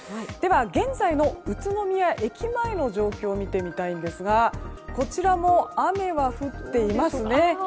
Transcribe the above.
現在の宇都宮駅前の状況を見てみたいんですがこちらも雨は降っていますね。